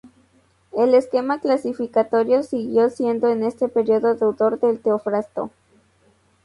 El esquema clasificatorio siguió siendo en este periodo deudor del de Teofrasto.